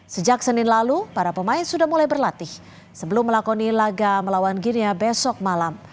sejak senin lalu para pemain sudah mulai berlatih sebelum melakoni laga melawan ginia besok malam